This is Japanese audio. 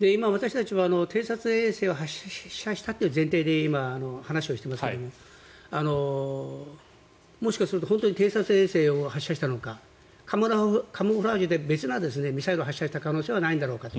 今、私たちは偵察衛星を発射したという前提で話をしていますがもしかすると本当に偵察衛星を発射したのかカムフラージュで別のミサイルを発射した可能性はないんだろうかと。